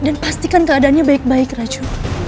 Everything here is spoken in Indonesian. dan pastikan keadaannya baik baik raju